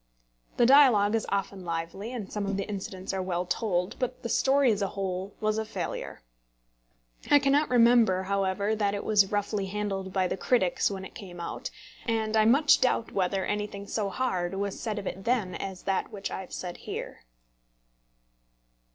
The dialogue is often lively, and some of the incidents are well told; but the story as a whole was a failure. I cannot remember, however, that it was roughly handled by the critics when it came out; and I much doubt whether anything so hard was said of it then as that which I have said here.